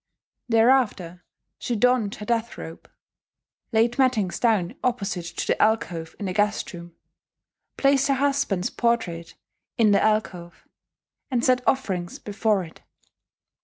Thereafter she donned her death robe; laid mattings down opposite to the alcove in the guest room; placed her husband's portrait in the alcove, and set offerings before it.